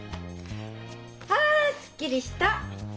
あすっきりした！